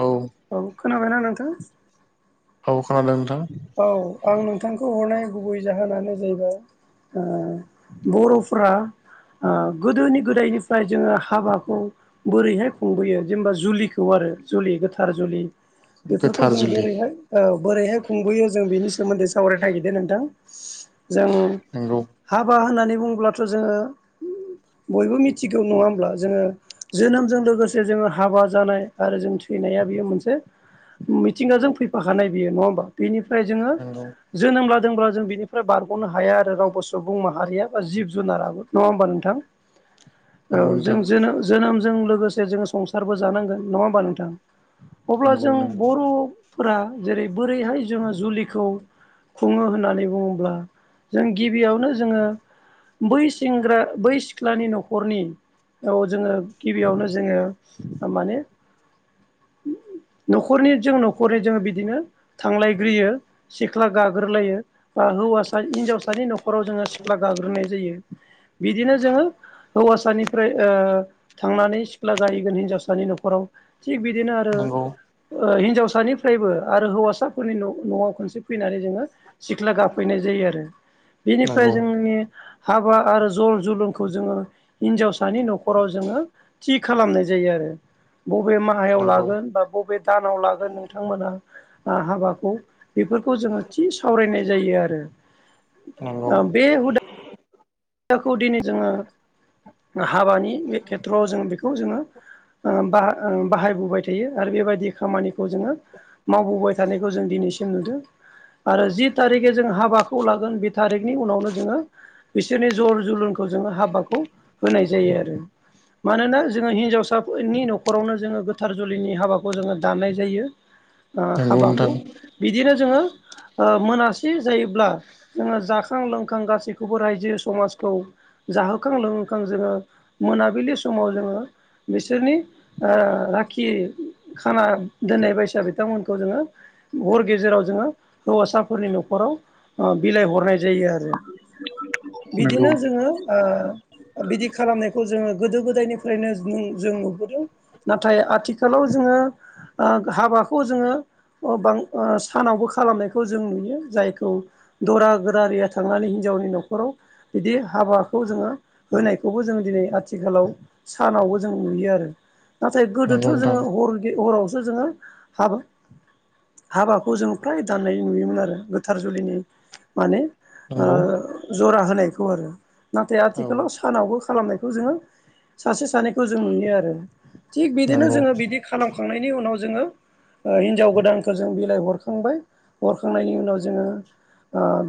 औ औ खोनाबायना नोंथां? औ खोनादों नोंथां औ आं नोंथांखौ हरनाय गुबै जाहोनानो जाहैबाय ओ बर'फ्रा ओ गोदोनि गोदायनिफ्राय जोङो हाबाखौ बोरैहाय खुंबोयो जेनेबा जुलिखौ आरो जुलि गोथार जुलि बेफोरखौ गोथार जों जुलि बोरैहाय औ बोरैहाय बेयो जों बिनि सोमोन्दै सावरायनो नागिरदों नोंथां जों नंगौ हाबा होननानै बुङोब्लाथ' जोङो बयबो मिथिगौ नङा होमब्ला जोङो जोनोमजों लोगोसे जोङो हाबा जानाय आरो जों थैनाया बेयो मोनसे मिथिंगाजों फैफाखानाय बेयो नङा होमबा बेनिफ्राय जोङो नंगौ जोनोम लादोंब्ला जों बिनिफ्राय बारग'नो हाया आरो रावबो सुबुं माहारिया बा जिब जुनार आनो नङा होमबा नोंथां औ नंगौ नोंथां जों जोनोमजों लोगोसे जोङो संसारबो जानांगोन नङा होमबा नोंथां अब्ला नंगौ जों नंगौ बर'फोरा जेरै बोरैहाय जोङो जुलिखौ खुङो होननानै बुङोब्ला जों गिबियावनो जोङो बै सेंग्रा बै सिख्लानि न'खरनि औ जोङो गिबियावनो जोङो माने न'खरनि जों न'खरनि जों बिदिनो थांलायग्रोयो सिख्ला गाग्रोलायो बा हौवासा हिनजावसानि न'खराव जोङो सिख्ला गाग्रोनाय जायो बिदिनो जोङो हौवासानिफ्राय थांनानै सिख्ला गायहैगोन हिनजावसानि न'खराव थिग बिदिनो आरो नंगौ हिनजावसानिफ्रायबो आरो हौवासाफोरनि न'आव खनसे फैनानै बिदिनो सिख्ला गाफैनाय जायो आरो बेनिफ्राय जोंनि हाबा आरो जल जलुंखौ जोङो हिनजावसानि न'खराव जोङो थि खालामनाय जायो आरो बबे नंगौ माहायाव लागोन बा बबे दानाव लागोन नोंथांमोना हाबाखौ बेफोरखौ जोङो थि सावरायनाय जायो आरो नंगौ बे खौ दिनै जोङो हाबानि बे खेथ्रआव जों बेखौ जोङो बाहायबोबाय थायो आरो बेबायदि खामानिखौ खौ जोङो मावबोबाय थानायखौ जों दिनैसिम नुदों आरो जि थारिखे जों हाबाखौ लागोन बे थारिखनि उनावनो जोङो बिदिनो जर जोलुनखौ जोङो हाबाखौ होनाय जायो आरो मानोना जोङो हिन्जावसाफोरनि न'खरावनो जोङो गोथार जुलिनि हाबाखौ जोङो दाननाय जायो नंगौ नोंथां हाबाखौ बिदिनो जोङो मोनासे जायोब्ला जोङो जाखां लोंखां गासैखौबो रायजो समाजखौ जाहोखां लोंहोखां जोङो मोनाबिलि समाव जोङो बिसोरनि राखि खाना दोननाय बायसा बिथांमोनखौ जोङो हर गेजेराव जोङो हौवासाफोरनि न'खराव बिलाइ हरनाय जायो आरो नंगौ बिदिनो जोङो बिदि खालामनायखौ जोङो गोदो गोदायनिफ्रायनो नों जों नुबोदों नाथाय आथिखालाव जोङो हाबाखौ जोङो बां सानावबो खालामनायखौ जों नुयो जायखौ दरा गोरारिया थांनानै हिनजावनि न'खराव बिदि हाबाखौ जोङो होनायखौबो जोङो दिनै आथिखालाव सानावबो जों नुयो आरो नाथाय गोदोथ' नंगौ नोंथां जोङो हर हरावसो जोङो हाब हाबाखौ जों फ्राय दाननाय नुयोमोन आरो गोथार जुलिनि माने ओ नंगौ जरा होनायखौ आरो नाथाय औ आथिखालाव सानावबो खालामनायखौ जोङो सासे सानैखौ जों नुयो आरो थिग बिदिनो नंगौ जोङो बिदि खालामखांनायनि उनाव जोङो ओ हिनजाव गोदानखौ जों बिलाइ हरखांबाय हरखांनायनि उनाव जोङो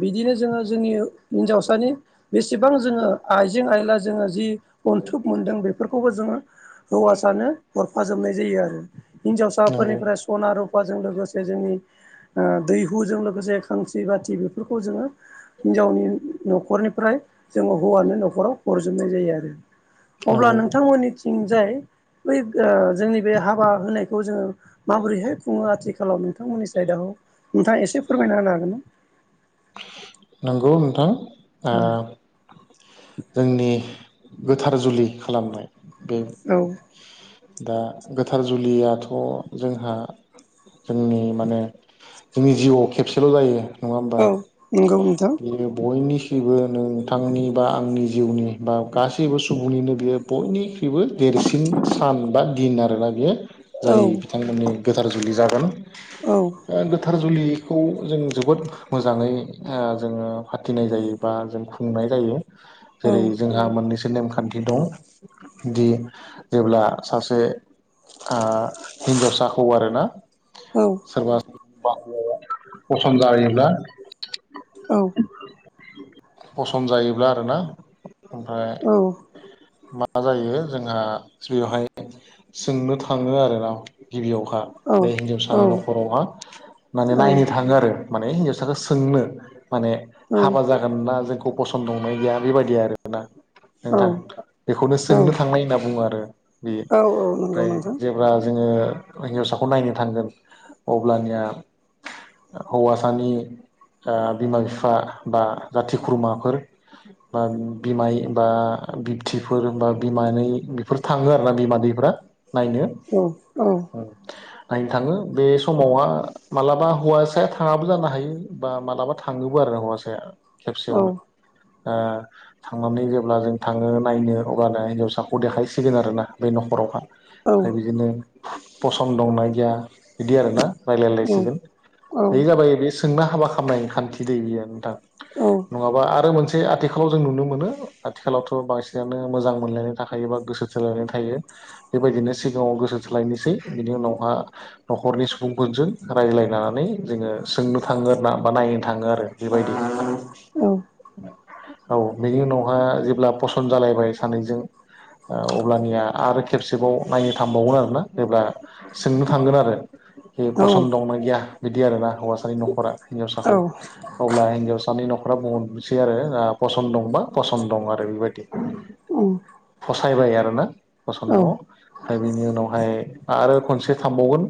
बिदिनो जोङो जोंनि हिन्जावसानि बेसेबां जोङो आइजें आइला जोङो जि अनथोब मोनदों बेफोरखौबो जोङो हौवासानो हरफाजोबनाय जायो आरो नंगौ हिनजावसाफोरनिफ्राय सना रुफाजों लोगोसे जोंनि दैहुजों लोगोसे खांसि बाथि बे फोरखौ जोङो हिनजावनि न'खरनिफ्राय जोङो हौवानि न'खराव हरजोबनाय जायो आरो अब्ला नंगौ नोंथांमोननि थिं जाय बै जोंनि बे हाबा होनायखौ जोङो माबोरैहाय खुङो आथिखालाव नोंथांमोननि साइदाव नोंथाङा एसे फोरमायना होनो हागोन ना नंगौ नोंथां ना जोंनि गोथार जुलि खालामनाय बे औ दा गोथार जुलियाथ' जोंहा जोंनि माने जोंनि जिउआव खेबसेल' जायो नङा होमबा औ नंगौ नोंथां बियो बयनि निबो नोंथांनि बा आंनि जिउनि बा गासैबो सुबुंनिनो बियो बयनि निबो देरसिन सान बा दिन आरोना बियो औ जाय बिथांमोननि गोथार जुलि जागोन औ गोथार जुलिखौ जों जोबोद मोजाङै जोङो फाथिनाय जायो बा जों खुंनाय जायो औ जेरै जोंहा मोननैसो नेमखान्थि [unintelligible] दि जेब्ला सासे हिन्जावसाखौ आरो ना औ सोरबा [unintelligible] फसन जायोब्ला औ फसन जायोब्ला आरोना ओमफ्राय औ मा जायो जोंहा बेवहाय सोंनो थाङो आरो ना गिबियावहा बे औ हिनजावसानि न'खरावहा औ माने नायनो थाङो आरो माने हिनजावसाखौ सोंनो माने हाबा जागोन ना जोंखौ फसनदंना गैया बेबायदि आरोना नोंथां औ बेखौनो सोंनो औ थांनाय होनना बुङो आरो बेयो औ नंगौ ओमफ्राय नोंथां जे ब्ला जोङो हिन्जावसाखौ नायनो थांगोन अब्लानिया हौवासानि बिमा बिफा बा जाथि खुरमाफोर बा बिमाय बा बिबथिफोर बा बिमानै बेफोर थाङो आरो ना बिमादैैफ्रा नायनो औ औ नायनो थाङो बे समावहा मालाबा हौवासाया थाङाबो जानो हायो बा मालाबा थाङोबो आरो हौवासाया औ खेबसेयावनो थांनानै जेब्ला जों थाङो नायनो अब्लानो हिनजावसाखौ देखायसिगोन आरोना बे न'खरावहा औ ओमफ्राय बिदिनो पसन दंना गैया बिदि आरोना रायलायलायसिगोन औ बेयो जाबाय बे सोंना हाबा खालामनायनि खान्थि दै इयो नोंथां औ नङाबा आरो मोनसे आथिखालाव जों नुनो मोनो आथिखालावथ' बांसिनानो मोजां मोनलाय थाखायो एबा गोसो थोलायनाय थायो बेबायदिनो सिगाङाव गोसो थोलायनोसै बिनि उनावहा न'खरनि सुबुंफोरजों रायलायनानै जोङो सोंनो थाङो आरो ना बा नायनो थाङो आरो बेबायदि औ बेनि उनावहा जेब्ला पसन्द जालायबाय सानैजों अब्लानिया आरो खेबसेबाव नायनो थांबावगोन आरोना जेब्ला सोंनो थांगोन आरो बे पसन्द दंना गैया बिदि आरोना हौवासानि न'खरा हिन्जावसाखौ अब्ला हिनजावसानि न'खरा बुंहरनोसै आरो पसन्द दंबा पसन्द दं आरो बेबायदि [unintelligible] ओम फसायबाय आरो ना पसन दङ ओमफ्राय बेनि उनावहाय आरो खनसे थांबावगोन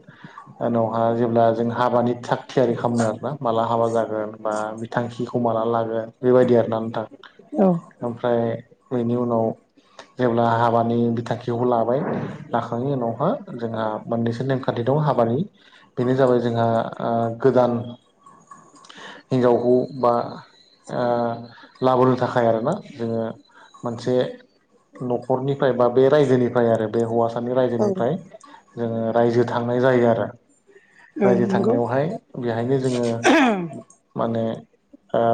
उनावहा जेब्ला जों हाबानि थाग थियारि खालामनो आरो माला हाबा जागोन बा बि थांखिखौ माला लागोन बेबायदि आरो ना नोंथां औ ओमफ्राय बेनि उनाव जेब्ला हाबानि बि थांखिखौ लाबाय लाखांनायनि उनावहा जोंहा मोननैसो नेमखान्थि दं हाबानि बेनो जाबाय जोंहा गोदान हिनजावखौ बा लाबोनो थाखाय आरोना जोङो मोनसे न'खरनिफ्राय बा बे रायजोनिफ्राय आरो बे हौवासानि औ रायजोनिफ्राय जोङो रायजो थांनाय जायो आरो औ रायजो नंगौ थांनायावहाय बेहायनो जोङो माने ओ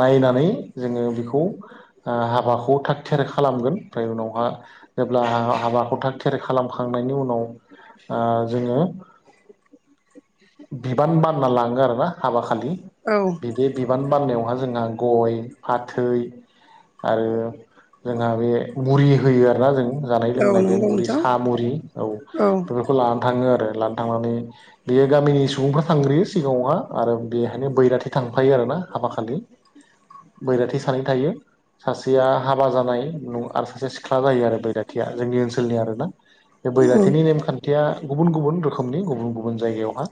नायनानै जोङो बेखौ हाबाखौ थाग थियारि खालामगोन ओमफ्राय उनावहा जेब्ला हाबाखौ थाग थियारि खालामखांनायनि उनाव जोङो बिबान बान खालामना लाङो आरोना हाबा खालि औ बिदि बे बिबान बाननायावहा जोंहा गय फाथै आरो जोंहा बे मुरि होयो आरोना जों जानाय औ लुंनाय बे नंगौ मुरि नोंथां सा मुरि औ बे हिनजावखौ लानो थाङो आरो लानानैा थांनानै बेयो गामिनि सुबुंफ्रा थांग्रोयो सिगांङावहा आरो बेहायनो बैराथि थांफायो आरोना हाबा खालि बैराथि सानै थायो सासेया हाबा जानाय न आरो सासे सिख्ला जायो आरो बैराथिया जोंनि ओनसोलनि आरो ना औ बे औ बैराथिनि नेमखान्थिया गुबुन गुबुन रोखोमनि गुबुन गुबुन जायगायावहा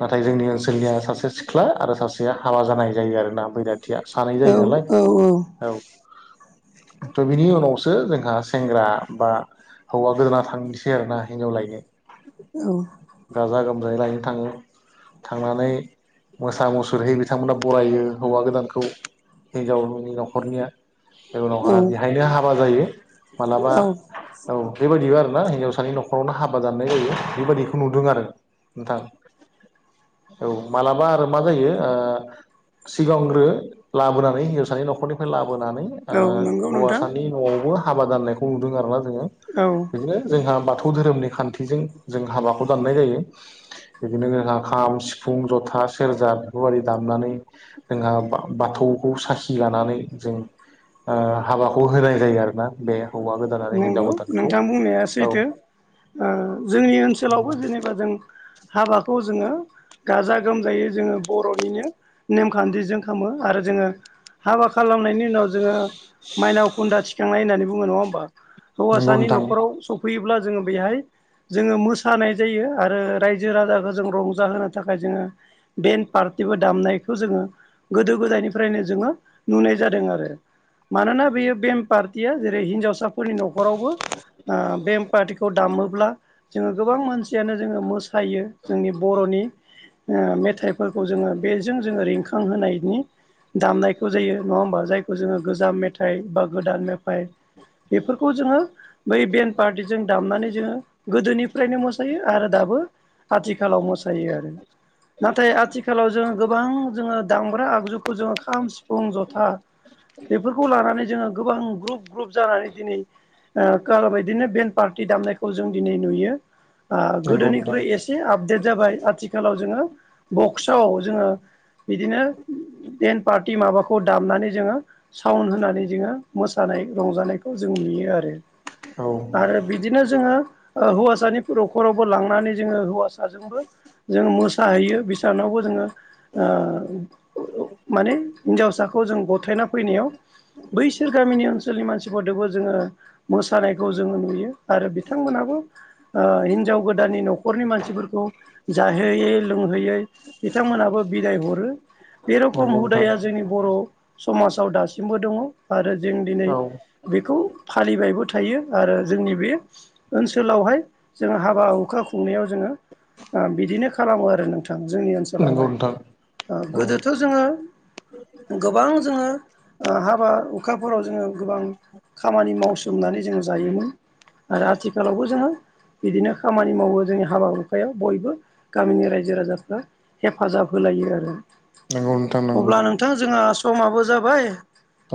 नाथाय जोंनि ओनसोलनिया सासे सिख्ला आरो सासेया हाबा जानाय जायो आरोना बैराथि बैराथिया सानै औ जायो नालाय औ औ थ' बिनि उनावसो जोंहा सेंग्रा बा हौवा गोदाना थांनोसै आरो ना हिनजाव लायनो औ गाजा गोमजायै लायनो थाङो थांनानै मोसा मुसुरै बिथांमोना बरायो हौवा गोदानखौ हिनजावनि न'खरनिया उनावहााय बेहायनो हाबा जायो औ माब्लाबा औ बेबायदि आरोना हिनजावसानि न'खरावनो हाबा जाननाय जायो बेबायदिखौ नुदों आरो। दा औ मालाबा आरो मा जायो। सिगांग्रो लाबोनानै हिनजावसानि न'खरनिफ्राय लाबोनानै औ नंगौ नोंथां हौवासानि न'आवबो हाबा दाननायखौ नुदों आरो ना जोङो औ। बिनो जोंहा बाथौ धोरोमनि खान्थिजों जों हाबाखौ दाननाय जायो। बिदिनो जोंहा खाम सिफुं जथा सेरजा बेफोरबायदि दामनानै जोंहा बाथौखौ साखि लानानै जों हाबाखौ होनाय जायो आरो ना बे हौवा गोद नंगौ नोंथां बुंनाया सैथो। जोंनि नंगौ ओनसोलावबो जेनेबा जों हाबाखौ जोङो गाजा गोमजायै जोङो बर'निनो नेमखान्थिजों खालामो आरो जोङो हाबा खालामनायनि उनाव जोङो माइनाव खुन्दा थिखांनाय होननानै बुङो नङा होमबा? नंगौ हौवासानि नोंथां नखराव सफैयोब्ला जोङो बेहाय जोङो मोसानाय जायो आरो रायजो राजाखौ जों रंजाहोनो थाखाय जोङो। बेन्ड पार्टिबो दामनायखौ जोङो गोदो गोदायनिफ्रायनो जोङो नुनाय जादों आरो। मानोना बेयो बेम पार्टिया जेरै हिन्जावसा। फोरनि न'खरावबो बेम पारटिखौ दामोब्ला जोङो गोबां मानसियानो जोङो मो थायो जोंनि बर'नि मेथाइ खौ जोङो बेजों जोङो रिंखांहोनायनि दामनायखौ जायो नङा होमबा जायखौ जोङो गोजाम मेथाइ बा गोदान मेथाइ बेफोरखौ जोङो बै बेन पार्टिजों दामनानै जोङो गोदोनिफ्रायनो मोसायो आरो दाबो आथिखालाव मोसायो आरो नाथाय आथिखालाव जों गोबां जोङो दामग्रा आगजुखौ जोङो खाम सिफुं जथा बेफोरखौ लानानै जोङो गोबां ग्रुप ग्रुप जानानै दिनै ओ बादिनो बेन्ड पार्टि दामनायखौ जों दिनै नुयो। ओ नंगौ गोदोनिख्रुइ नोंथां एसे आपडेट जाबाय आथिखालाव जोङो बक्सआव जोङो बिदिनो बेन पार्टि माबाखौ दामनानै जोङो साउन्ड होनानै जोङो मोसानाय रंजानायखौ जों नुयो आरो। औ। आरो बिदिनो जोङो हौवासानि न'खरावबो लांनानै जोङो हौवासाजोंबो जों मोसाहैयो बिसानावबो जोङो माने हिनजावसाखौ जों गथायना फैनायाव। बैसोर गामिनि ओनसोलनि मानसि फोरदबो जोङो मोसानायखौ जोङो नुयो आरो बिथांमोनाबो हिनजाव गोदाननि न'खरनि मानसिफोरखौ जाहोयै लोंहोयै बिथांमोनहाबो बिदाय हरो बे रखम नंगौ हुदाया नोंथां जोंनि बर' समाजाव दासिमबो दङ आरो जों दिनै औ बेखौ फालिबायबो थायो आरो जोंनि बे ओनसोलावहाय जों हाबा हुखा खुंनायाव जोङो बिदिनो खालामो आरो नोंथां। जोंनि नंगौ ओनसोलावहाय नोंथां औ गोदोथ' जोङो गोबां जोङो हाबा हुखाफोराव जोङो गोबां खामानि मावसोमनानै जोङो जायोमोन आरो आथिखालावबो जोङो बिदिनो खामानि मावो जोंनि हाबा हुखायाव बयबो गामिनि रायजो राजाफ्रा हेफाजाब होलायो आरो। नंगौ नोंथां नंगौ। अब्ला नोंथां जोंहा समाबो जाबाय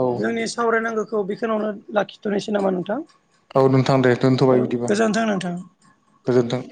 औ जोंनि सावरायनांगौखौ [unintelligible] लाखिथ'नोसै नामा नोंथां औ नोंथां दे औ दोनथ'बाय बिदिबा गोजोन्थों नोंथां गोजोनथों